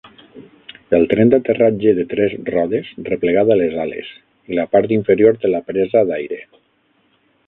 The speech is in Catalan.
El tren d'aterratge de tres rodes replegat a les ales i la part inferior de la presa d'aire.